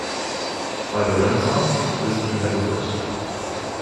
By the renaissance, this view had reversed.